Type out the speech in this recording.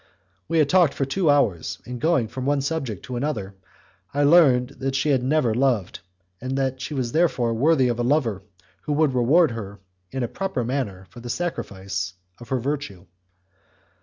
We had talked for two hours, and going from one subject to another I learned that she had never loved, and that she was therefore worthy of a lover who would reward her in a proper manner for the sacrifice of her virtue.